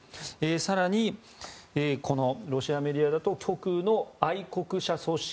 更に、ロシアメディアだと極右の愛国者組織